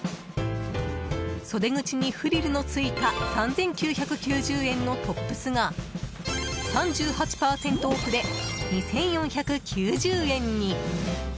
袖口にフリルのついた３９９０円のトップスが３８％オフで２４９０円に。